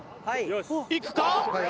いくか？